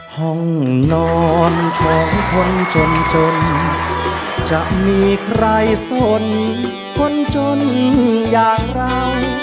ห้องนอนของคนจนจนจะมีใครสนคนจนอย่างเรา